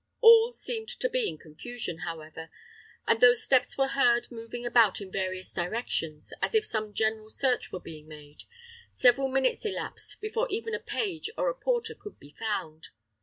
All seemed to be in confusion, however, and though steps were heard moving about in various directions, as if some general search were being made, several minutes elapsed before even a page or a porter could be found.